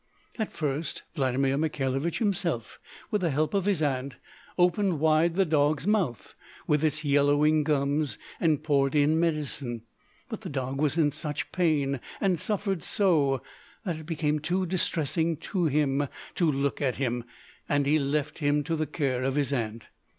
At first Vladimir Mikhailovich himself, with the help of his Aunt, opened wide the dog"s mouth, with its yellowing gums, and poured in medicine: but the dog was in such pain and suffered so, that it became too distressing to him to look at him, and he left him to the care of his Aunt.